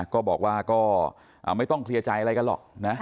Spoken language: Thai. ก็บอกว่าก็ไม่ต้องเคลียร์ใจอะไรกันหรอกนะ